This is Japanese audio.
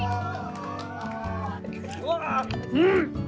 うん！